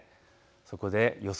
そこで予想